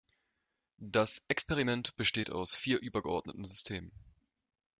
Das Experiment besteht aus vier übergeordneten Systemen.